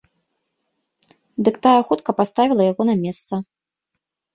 Дык тая хутка паставіла яго на месца.